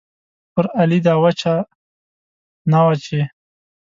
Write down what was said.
پر علي دا وچه نه وه چې